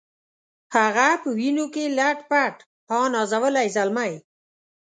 هغه په وینو کي لت پت ها نازولی زلمی